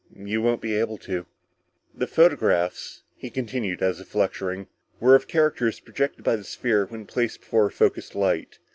"You won't be able to."_ "The photographs," he continued, as if lecturing, "were of characters projected by the sphere when placed before a focused light.